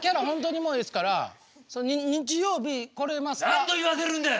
何度言わせるんだ！